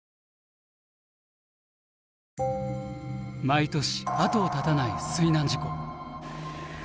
毎年後を絶たない水難事故。